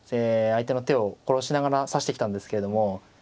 相手の手を殺しながら指してきたんですけれども。